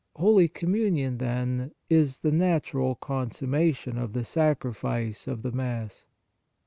Holy Com munion, then, is the natural con summation of the Sacrifice of the Mass.